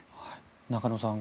中野さん